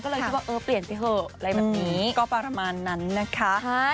ก็เลยคิดว่าเออเปลี่ยนไปเถอะอะไรแบบนี้ก็ประมาณนั้นนะคะ